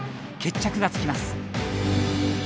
決着がつきます。